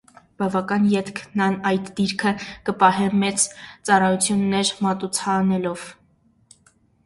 Բաւական ետք ան այդ դիրքը կը պահէ մեծ ծառայութիւններ մատուցանելով։